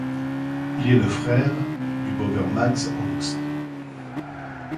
Il est le frère du bobeur Max Angst.